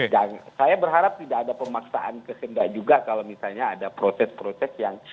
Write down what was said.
dan saya berharap tidak ada pemaksaan kesembah juga kalau misalnya ada proses proses yang